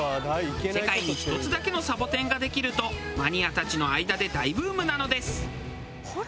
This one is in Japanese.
世界に一つだけのサボテンができるとマニアたちの間で大ブームなのです。